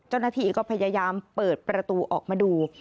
เจ้าหน้าที่ก็พยายามเปิดประตูออกมาดู